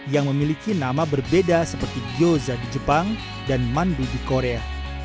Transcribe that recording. yang memiliki nama berbeda seperti gyoza di jepang dan mandu di korea